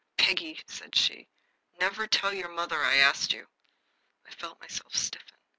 "Peggy," said she, "never tell your mother I asked you." I felt myself stiffen.